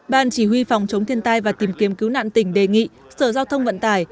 ban chỉ huy phòng chống thiên tai và tìm kiếm cứu nạn tỉnh đề nghị sở giao thông vận tải